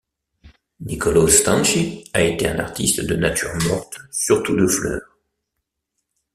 Niccolò Stanchi a été un artiste de nature morte surtout de fleurs.